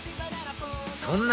そんな